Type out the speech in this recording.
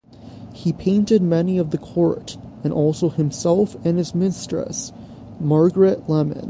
He painted many of the court, and also himself and his mistress, Margaret Lemon.